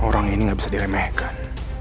saya bisa diremehkan